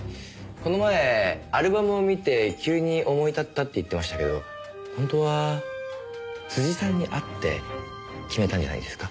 この前アルバムを見て急に思い立ったって言ってましたけど本当は辻さんに会って決めたんじゃないですか？